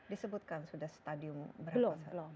disebutkan sudah stadium berapa